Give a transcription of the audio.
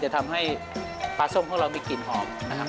จะทำให้ปลาส้มของเรามีกลิ่นหอมนะครับ